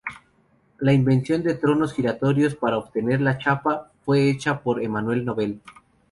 La invención de tornos giratorios para obtener la chapa, fue hecha por Emmanuel Nobel.